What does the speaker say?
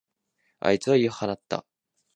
あいつは言い放った。